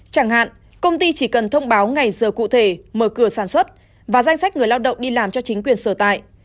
chẳng hạn công ty chỉ cần thông báo ngày giờ cụ thể mở cửa sản xuất và danh sách người lao động đi làm cho chính quyền sở tại